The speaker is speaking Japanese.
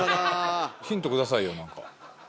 ヒント下さいよ何か。